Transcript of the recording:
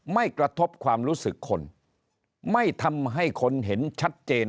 ไม่กระทบความรู้สึกคนไม่ทำให้คนเห็นชัดเจน